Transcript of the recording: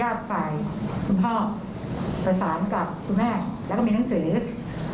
อ่าครั้งนี้ก็ได้ให้คุณเต๊อสัตวัสดิ์ซึ่งอ่า